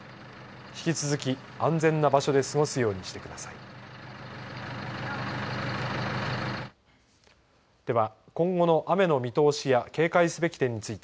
引き続き安全な場所で過ごすようにしてください。